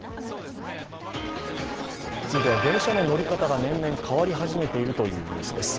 続いては、電車の乗り方が年々変わり始めているというニュースです。